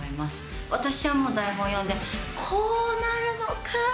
私はもう台本読んでこうなるのか！